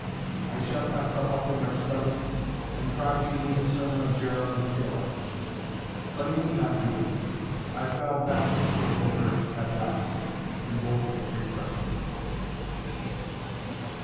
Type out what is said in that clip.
I shut myself up in my study, and tried to read a sermon of Jeremy Taylor. But it would not do. I fell fast asleep over it at last, and woke refreshed.